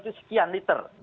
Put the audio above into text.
atau itu sekian liter